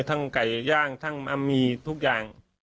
ทั้งไก่ย่างทั้งมะมีทุกอย่าง